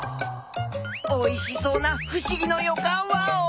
おいしそうなふしぎのよかんワオ！